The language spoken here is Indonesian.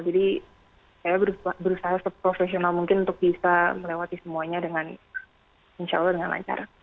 jadi saya berusaha seprofesional mungkin untuk bisa melewati semuanya dengan insya allah dengan lancar